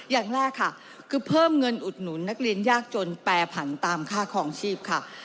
อย่างแรกค่ะคือเพิ่มเงินอุดหนุนนักเรียนยากจนแปรผันตามค่าคลองชีพค่ะ